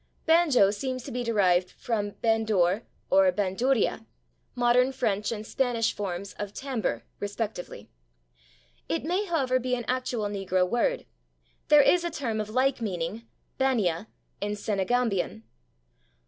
/Banjo/ seems to be derived from /bandore/ or /bandurria/, modern French and Spanish forms of /tambour/, respectively. It may, however, be an actual negro word; there is a term of like meaning, /bania/, in Senegambian.